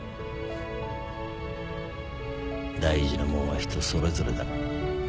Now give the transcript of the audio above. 大事なもんは人それぞれだ。